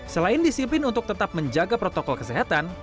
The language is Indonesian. selain disiplin untuk tetap menjaga protokol kesehatan